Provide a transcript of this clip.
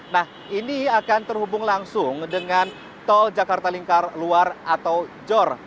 nah ini akan terhubung langsung dengan tol jakarta lingkar luar atau jor